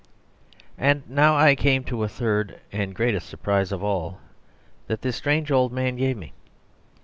..... And now I come to the third and greatest surprise of all that this strange old man gave me.